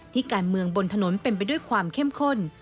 การเมืองบนถนนเป็นไปด้วยความเข้มข้น